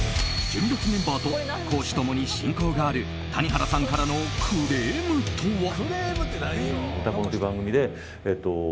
純烈メンバーと公私共に親交がある谷原さんからのクレームとは。